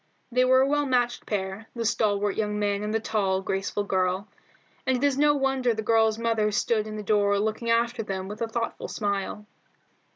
They were a well matched pair, the stalwart young man and the tall, graceful girl, and it is no wonder the girl's mother stood in the door looking after them with a thoughtful smile.